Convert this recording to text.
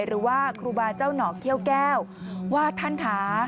หรือว่าครูบาเจ้าหนอกเขี้ยวแก้วว่าท่านค่ะ